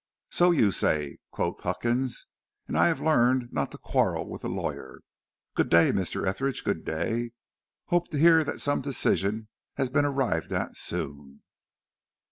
"So you say," quoth Huckins, "and I have learned not to quarrel with a lawyer. Good day, Mr. Etheridge, good day. Hope to hear that some decision has been arrived at soon."